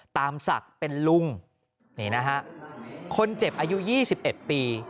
ตามศักดิ์เป็นลุงนี่นะฮะคนเจ็บอายุ๒๑ปี